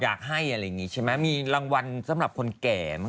อยากให้อะไรอย่างนี้ใช่ไหมมีรางวัลสำหรับคนแก่ไหม